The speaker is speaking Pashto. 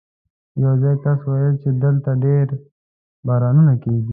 یو ځايي کس وویل چې دلته ډېر بارانونه کېږي.